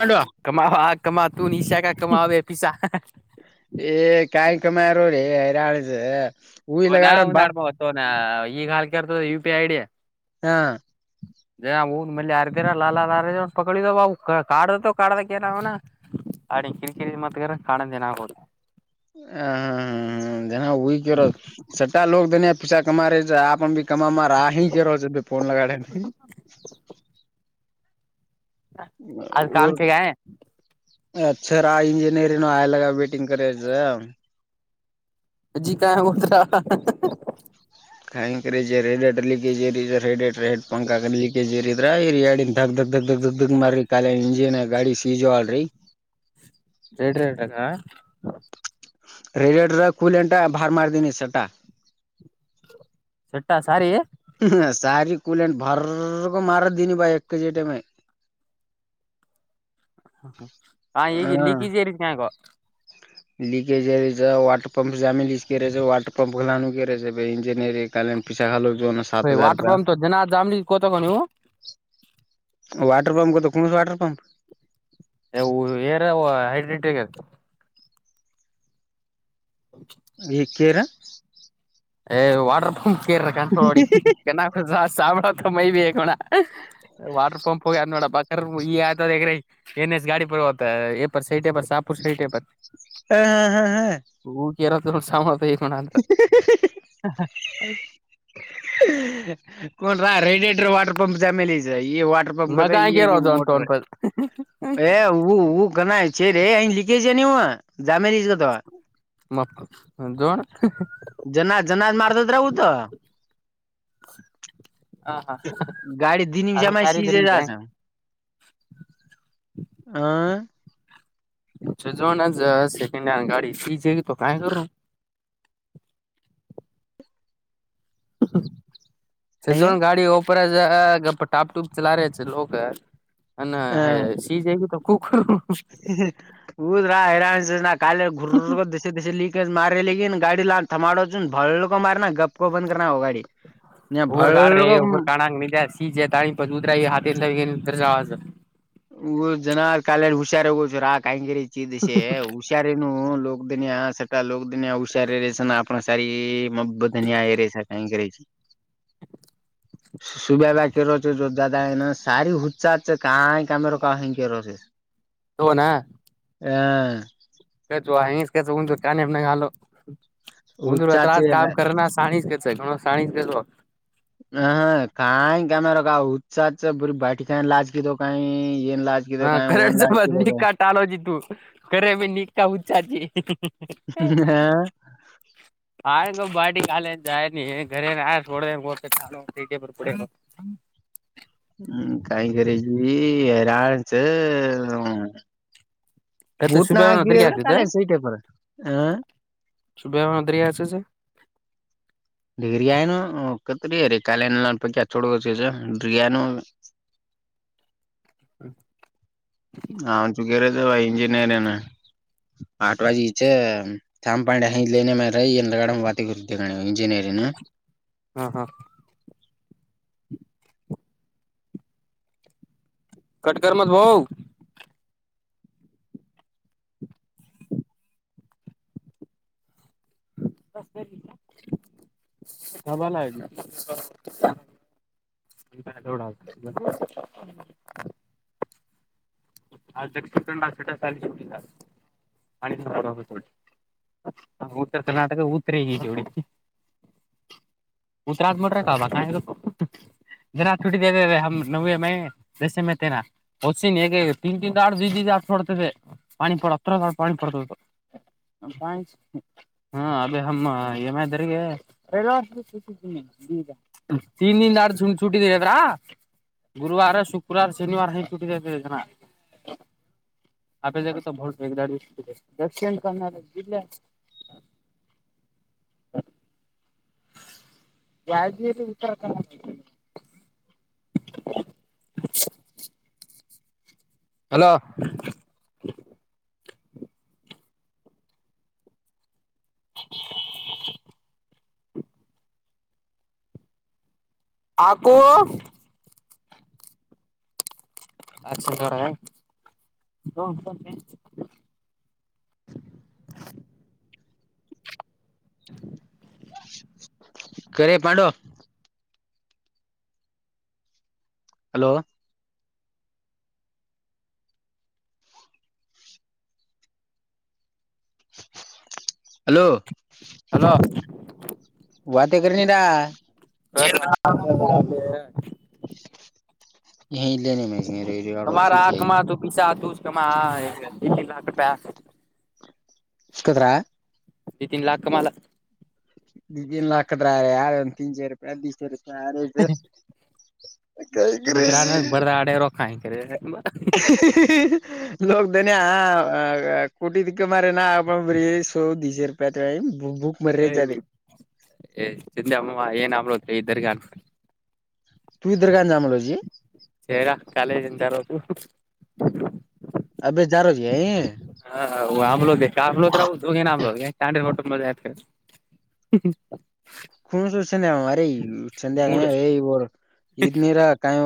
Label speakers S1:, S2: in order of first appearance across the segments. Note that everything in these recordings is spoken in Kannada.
S1: ಮಾಡು [unintelligible] ಗಾರ್ಡನ್ ಬಾ
S2: [unintelligible] ಯು ಪಿ ಐ ಡಿ
S1: ಹಾ
S2: [unintelligible] ಆಡ ಕಿರಿಕಿರಿದ ಮತ್ತಗಾರ ಕಾಣಂದ ಏನ ಆಗೋದು
S1: ಹಾ ಹಾ ಹಾ ಹಾ [unintelligible] [unintelligible] [unintelligible] [unintelligible]
S2: ಅದು ಕಾಮ್ ಚಗ
S1: ಆ ಇಂಜಿನಿಯರಿಂಗ ಆಲ್ಲ [unintelligible]
S2: [unintelligible]
S1: [unintelligible] ಧಕ್ ಧಕ್ ಧಕ್ ಧಕ್ ಧಕ್ [unintelligible]
S2: [unintelligible]
S1: [unintelligible]
S2: [unintelligible] ಸಾರಿ
S1: ಹ ಸಾರಿ ಕೂಲೆನ್ ಬಾರ್ ಮಾರ್ ಮಾರದನಿ ಭಾಯ ಎ ಜಟಮ
S2: ಹ ಲೀಕಿಜ ರೀತಿ ಕಕ
S1: ಲೀಕೆಜ ವಾಟರ್ ಪಂಪ್ ಜಾಮೆ ಲೀಕ್ೇ ವಾಟರ್ ಪಂಪ್ ಖಲಾಣು ಕ ಇಂಜಿನಿಯರಿ ಕಾಲ ಪಿಸಾಖೋ ಜನ ಸತ್ ಹಾಜಾರ
S2: ವಾಟರ್
S1: ರೂಪಾಯಿ
S2: ಪಂಪ್ ಜನ ಜಾಮ್ಲಿ ಕೋತಕೋ ನೀವು
S1: ವಾಟರ್ ಪಂಪ್ ಕತ್ತು ಕಸ ವಾಟರ್ ಪಂಪ
S2: ಏರ್ ಹೈಡ್ರಿಡಿಟಿಗ ಇತ
S1: [unintelligible]
S2: ಏ ವಾಟರ್ ಪಂಪ್ ಕೆೋಡಿಕ ಸಾಭತ ಮಯ ಬಿಣ ವಾಟರ್ ಪಂಪ್ ಹೋಗಿ ಅನ್ ನೋಡ ಬ ಆತ ಎಏನ್ ಎಸ್ ಗಾಡಿ ಪ ಎಪ ಸೈಟ ಶಾಹಪು ಸೈಟ
S1: ಹ ಹಾ ಹಾ ಹಾ
S2: ಯರ ತು ಸಾಮ
S1: ಹ
S2: ಹ ಹಾ
S1: ಕನ್ ರಾ ರೆಡಿಡೆೇಟರ್ ವಾಟರ್ ಪಂಪ ಜಾಮೇಲಿಜ ಈ ವಾಟರ್ ಪಂಪ್ ಅದ ಈಗ ಮೋಟರ್ ಊ ಗಣಾಯ್ ಚ ರೆ ಲೀಕೆಜ ನೀ ಹ ಜಾಮರಿ ಗತ
S2: ಮಕ್ಕ ಜೋ
S1: ಜನಾ ಜನಾದ ಮಾಡಾರ್ತದ್ರು ತ ಗಾಡಿ ದ ನಿಮಿಷಾಮ ಸೀಜೆ ಜ ಹಾ
S2: ಸುಜೋಣ ಸೆಕೆಂಡ ಹ್ಯಾಂಡ ಗಾಡಿ ಸಿಜ ಕಾಯೋ [inaudible] ಹ [unintelligible] ಗಾಡಿ [unintelligible] ಟಾಪ ಟೂಪ ಚಲ ಆಯ್ತು ಸೀಜಗ ಕುಕರು
S1: ಊದ ರಾ ಹರಾಣ ಕ ಗುರ ದಸ ದಸ ಲಿ ಮಾರ ಲೇನ್ ಗಾಡಿ ಲಾ ಥಮಾಡೋ ಚು ಭಲ್ಕ ಮಾರನಾ ಗಫಪ್ಪ ಬಂದನಾ ಗಾಡಿ
S2: ಹಬ್ಬರ್ ಕಾಡ ರೆ ಬ್ಬ ಕಣ್ಣಂಗ ಸೀತ ಪ ಉತರ ಹಾಂತ ಉ
S1: ಹ ಜನಾ ಕಾಲ ಹುಶ್ಯಾರಿ ಹೋಗ ಚುರ ಆ ಕಾಯಂಗಿರಿ ಚೀದ ಹುಷ್ಯಾರಿ ನ ಲ ದನಿಯ ಸಾ ಲ ದನಿಯಾ ಹುಷಾರ ರ ಸಾರಿ ಮಬ್ಧನ [unintelligible]
S2: [inaudible]
S1: [unintelligible] ಕ್ಯಾಮೆರ [unintelligible]
S2: [unintelligible]
S1: ಹಾ
S2: [unintelligible] ಕಾನನ್ನಗಾಲ ಹಊಂದು ರ ತ್ರತ್ ಕಾಮ ಕ ಶಾಣಿಜ ಕಸ ಗ ಶಾಣಜ ಕ
S1: ಹ ಹ ಕಾಯ ಕಾಮೇರ [unintelligible] ಲಜಕಿದ್ದ ಕಾಯ
S2: ಹಾ ಕಡಸ ಬ ನಿಕಕ್ಕಾಟಾಲೋಚ ತು ಕರ ಮ ನಿಕಾ ಉಚ್ಚಾರ
S1: ಹಾ
S2: ಆಯ್ತು ಬಾಟಿ ಕಾಲ ಜಾಯ ನೀ ಸೋಟಿಯ ಪಡೆ [inaudible]
S1: ಹ್ಮ್ ಕ ಕರಜ ರಾಣಚ ಬೂಟ್ನ ಹಗದ್ರೆ ಕಾಲ ಸೈಟೈಪರ್ ಹ
S2: ಶುಭೇ ಮಾದರಿಚ
S1: ರಿಯನು ಕತರಿ ಅ ಕಾಲ ಲ ಪಕ ಚೋಡ ರಿಯಾನ್
S2: ಹಾ
S1: ಹಾ ಚುಗರತ ಇಂಜಿನಿಯರಿ ಆಟವಾಚೆ ಚಂಪಾಂಡ ಹನೆ ಮ ರೈ ಎಏನ್ಗಡ ವಾತಿಗರುಿದ್ದಣವು ಇಂಜಿನಿಯರಿಂಗ
S2: ಹಾ ಹಾ ಕಟ್ಕರ್ ಮತ್ ಭೌ [unintelligible] [unintelligible] [unintelligible] ಆ ದಕ್ಷಿನ ಕನ್ನಡ ಆ ಸಾಲಿಲ್ಲ ಸಂಪ ಉತ್ತರ ಕರ್ನಾಟಕ ಉತ್ತರಿಗಿ ಇ ಜೋಡಿಯು ಉತ್ತರ [unintelligible] ತ್ರಾಸ ಮಟ್ರ ಕಬ ಕಕ [unintelligible] ತಿನ್ ತಿನ್ ದಾಡ್ ದ ದಿ ಆ ಕೊಡ್ತದೆ ಪಾಣಿ ಪಡ ಹತ್ರ ದಾ ಪಾಣಿ ಪಡ್ತತ್ತು ಹಾ ಅಬೇ ಹಮ್ಮ [unintelligible] ಈಗ ತಿಂಡಿಂದ ಆ ಚುಟ್ಟಿದೀರ ಅದ್ರಾ ಗುರುವವಾರ ಶುಕ್ರವಾರ ಶನಿವಾರ ಹುಟ್ಟಿದ ಜನ ಆಗ ಬಹ ವದ ದಿವ ಎಕ್ಸ್ಚೆ [unintelligible] ಹ ಗಾಜಿಯಲ್ಲಿ ವಿಚಾರ ಹ ಹಲೋ ಹ ಹಾಕು ಯಾಕ್ ಸುಮ್ನೆ ಇರ ಹ ಹ
S1: ಕರಿ ಪಾಂಡೋ ಹಲೋ ಹಲೋ
S2: ಹಲೋ
S1: ವತ ಕರ ನೀಡಾ
S2: ಹ [unintelligible]
S1: ಯಲ್ಲನೆ [unintelligible] ಶುತಿ ಆ [unintelligible]
S2: ತಮ್ಮ [unintelligible]
S1: ಸಿಕ್ಕಿದ್ರ
S2: ಈ ತಿನ್ ಲಾಕ್ಕಮಾಲ
S1: ದನ್ಕದ್ರ ಯಾರ ಒಂದಂದು ತಿನ್ಚಿ ರೂಪಾಯಿ ದಸ ಯಾರ
S2: ಉದ್ರಾ ನ ಬರ್ದ ಆಡೆ ರೋಕಾಯ [unintelligible]
S1: ಲೋಗದನಿ ಹ ಕೋಟಿದಕ್ಕೆ ಮಾರೆ ನ ಬ್ರ so this is for time ಭುಕ್ ಮರ್ಯೆದೆ
S2: ಏ ತಿಂಡಿ ಅಮ್ಮಮ್ಮ ಏನಗಬೇಕು ಇದ್ದರ್ಗ ಹಾಕು
S1: ತು ಇ ದರ್ಗಾನ ಜಾಮಲಜಿ
S2: ಏ ಇರ ಕಾಲೇಜ್ ಎಂತಾರದು
S1: ಅಬೇ ಜಾರೋಜಿ
S2: ಹ ಆಮ್ಲೋ ಆಮ್ಲೋದ [unintelligible] ಆಂಬ್ಲೋ ಚಾಂಡ ಮೋಟ್ಟ ಮದ ಯತ
S1: ಕುಣಸು ಸಂದೆ [unintelligible] ಸಂದೆ
S2: ಮೂಡ್
S1: ಇ ನೀರ ಕಾಯ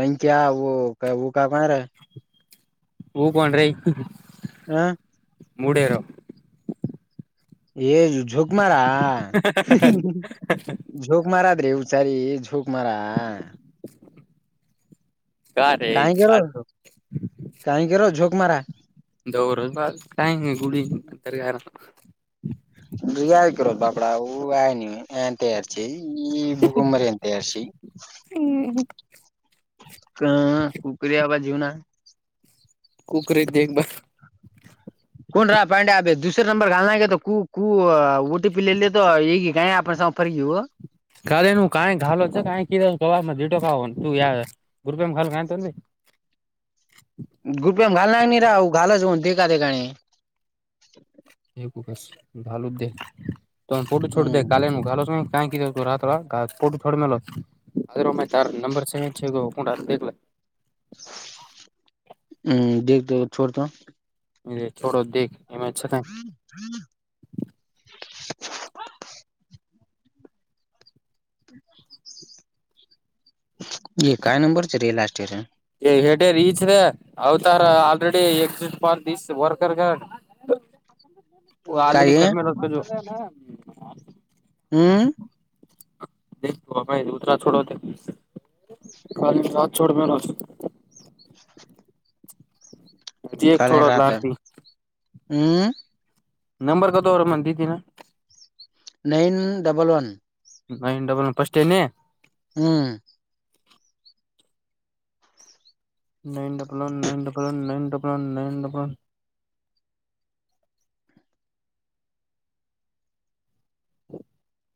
S1: ಲಂಕವು ಕಾ [unintelligible]
S2: ಹೂ ಕಣ್ರೀ
S1: ಹಾ
S2: ಮೂಡರು
S1: ಏ ಜೋಕ್ ಮಾರಾ ಜೋಕ್ ಮಾರ ಆದ್ರೆ ಹುಷಾರಿ ಜೋಕ್ ಮಾರ
S2: ಕಾರೇ
S1: ಕಾಯ್ ಗುರು
S2: ಅದು
S1: ಕಾಯ್ ಗುರು ಜೋಕ್ ಮಾರ?
S2: [unintelligible]
S1: [unintelligible]
S2: ಹ್ಮ್
S1: ಕ ಉಪ್ರಿ ಯಾವ ಜೀವ್ನ
S2: ಕುಕರೆ ಇದ್ದ ಬ
S1: ಕನ್ ರಾ ಪಾಂಡೆ ಅೆ ದೂಸರ ನಂಬರ್ ಾಲ ಕ ಓಟಿ ಪಿ ಈಗ [unintelligible]
S2: [unintelligible] [unintelligible]
S1: [unintelligible]
S2: [unintelligible] [unintelligible]
S1: [unintelligible]
S2: [unintelligible]
S1: [unintelligible] [unintelligible]
S2: [unintelligible] [unintelligible]
S1: [unintelligible]
S2: [unintelligible] [unintelligible]
S1: [unintelligible]
S2: [unintelligible]
S1: [unintelligible]
S2: [unintelligible]
S1: [unintelligible]
S2: [unintelligible] [unintelligible] [unintelligible]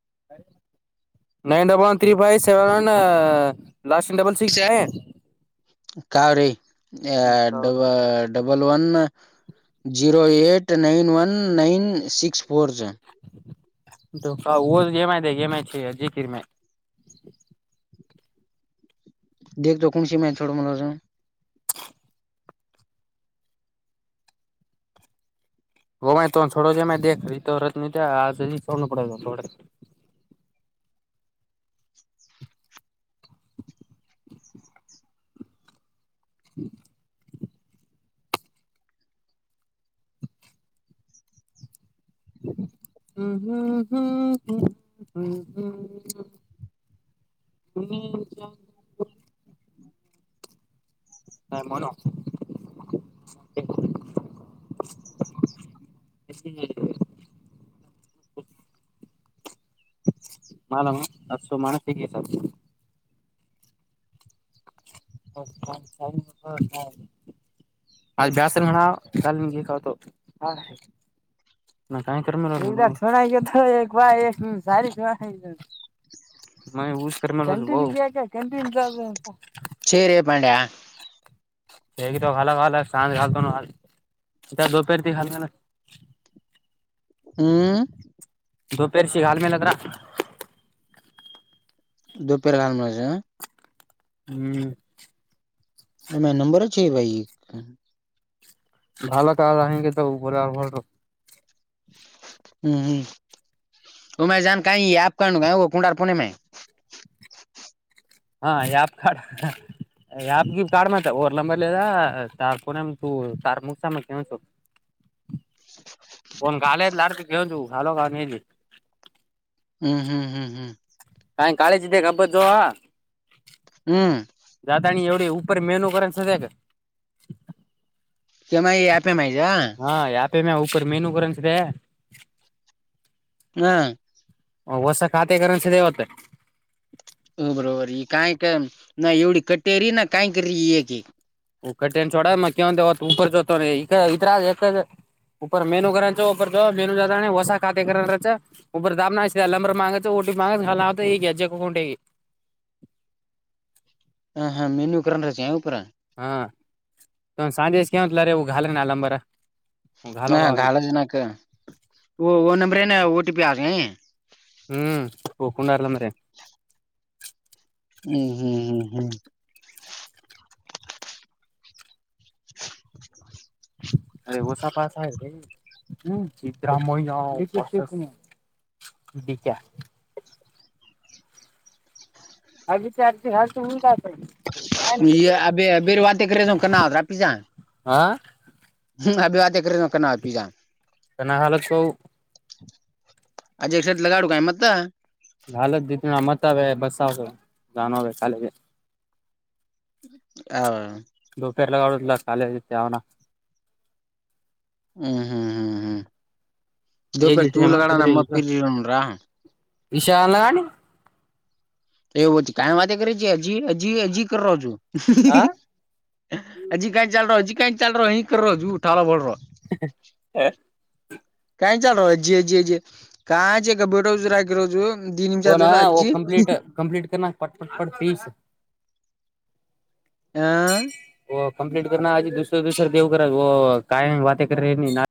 S2: [unintelligible] [unintelligible]
S1: [unintelligible] [unintelligible]
S2: [unintelligible]
S1: [unintelligible]
S2: [unintelligible] [unintelligible] [unintelligible] [unintelligible] [unintelligible] [unintelligible] [unintelligible] [unintelligible] [unintelligible] [unintelligible] [unintelligible] [unintelligible]
S1: [unintelligible]
S2: [unintelligible] ಅಂತ ದಪಾರ ದ ಹಲ್ ಮಲ್ಲ
S1: ಹ್ಮ್
S2: ದದುಪೇರ್ ಸಿಗ ಹಲ್ಮೇಲೆ ಹತ್ರ್ರ
S1: ದುಪ್ಪೇರ ಕನ್ ಮಾಡ
S2: ಹ್ಮ್
S1: ಅೇ ನಂಂಬರಚ್ಚ ಭೈ
S2: ಭಾ ತ ಹಿಗೆ ತ ರ ಆ
S1: ಹ್ಮ್ ಹ್ಮ್ ಹಮ್ಮ ಜಾನಕಿ ಕನುಗ ಕುಂಡಾರ ಪುಣೆಮ
S2: ಹಾ ಯಪ್ ಕಡ ಆಕ ಕಾರ್ ಓರ್ ಲಂಂಬರ್ ಲದಾ ತಕ ತು ತ ಮುಸ ಕ ಹ್ಮ ಾಲ ಲಡಕೆ ೆನ್ಾಲೋ ನೀಲಿ
S1: ಹ್ಮ್ ಹ್ಮ ಹ್ ಹ್ಮ್
S2: ಕ ಕಾಳೇಜ್ ಇದ್ದ ಹಬ್ಬ್ದು ದಾತಾಣಿ ರ ಮೆನುೋಕ ಸದಗ ಹಾ ಯಾತನ ಹ ಮೇನುೂ ಗಂಸಿದೆ
S1: ಹ್ಮ
S2: ಹ ಹೊಸ ಕಾತೆಕರಣಸ ದವತ್ತ
S1: ಹ ಬರಬರ ಈ ಕಾಯಕ ನ ಎವಿ ಕಟೇರಿ ನ ಕಾಯಕರಿ
S2: ಉಕ್ಕಟ್ಟೆನ್ ಚೋಡ ಮಕ್ಕ್ಯ ಒಂದವತ್ತು ಉಪರ್ ಜೊತೆತವ ಈ ಇದ್ರ ಪ ಮೇನು ಕಾಣ ಚ ಪ ಜ ಮೇನು ಜ ವಸ ಕಾತೆೆ ಉಪರ್ ದಾಬನಾ ಸ ಲಂಬರ್ ಮಾಾಗೆ ಕು ಮಾಗಲ್ಲಾವತ ಈಗೆ ಜಗ ಕಟ
S1: ಹ ಹಾ ಮೆನುೂ ಉ ಕ ರಚೆ ಉಪರ.
S2: ಹಾ ತಂದು ಸಾಜೆಂತಲ್ಲ ರಾಲ ಅಲ್ಲಂಬಾರ.
S1: ಹಾ ಗಾಲಜಿನಕ ಓ ನಂಬರೇನ ಓಟಿಪಿ ಆಗ.
S2: ಹ್ಮ್ ಪಕೊಂಡಲ್ಲಂದ್ರೆ.
S1: ಹ್ಮ್ ಹ್ಮ್ ಹ್ಮ್ ಹ್ಮ್. [inaudible]
S2: ಅ ಹೊಸಪಾಸ ಚ್ರಾಮ. ಬಿಕಾ. ಹಾಗಕ್ಕೆ ಅರ್ಜ ಹಾ ಉಂಟಾಗತ.
S1: ಈ ಅ ಬವಾಂತ ಕಸ ಕನ್ನದ ಪಿ.
S2: ಹಾ.
S1: ಹ ಅ ಬೇತ ಕ ನಾವ ಪಾ.
S2: ಸ ಹಾಲತ್ ಪ.
S1: ಅಜ ಎಸ ಲಗಾಡ ಕಾಯ ಮತ್ತ.
S2: ಹಾಲತ್ ಜತಿ ಮತಾವ ಬಸಾವ ಜಾನ ಕಾಲ.
S1: ಹ.
S2: ಪೇರ ಲಗಾಡಲ್ಲ ಕಾಲ ಅವನ.
S1: ಹ್ಮ್ ಹ್ಮ್ ಹ್ಮ್ ಹ್ಮ್. ದಪೇರ್ ತೂಲಗಡ ನಮ್ಮಫರರಾ.
S2: ಇಶಾನಾಯ.
S1: ಎ ಕಾಯ್ ಮಾತ ಕ ಹ ಹ ಹಜೋ. ಅಜಿ ಕ ಚಲ್ರ ಅಜಿ ಕ ಚಲ್ರ ಹಿರ ಜ ಠಾಳ ಬಳರ.
S2: ಹ.
S1: ಕಾಯ ಚಲ್ರೋ ಜೆ ಜಿಯೆ ಜೆ ಕಾಯ ಜೆ ಗಬಟಸುರಾಗಿರೋ.
S2: ನ ಕಾಂಟ್ ಕಂಪ್ಲೀಟ್ ಪ ಪ ಪಡಫೀಸ್.
S1: ಹ.
S2: ಕಂಪ್ಲಿಟ್ ನ ಅಜಿ ದೂಸರ ದೂಸರ ದೇವಗರ ಕಾಯ್ ಬತತೆ ರಾ.